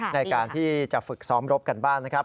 ในการที่จะฝึกซ้อมรบกันบ้างนะครับ